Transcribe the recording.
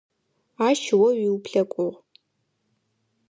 Ащ о уиуплъэкӏугъ.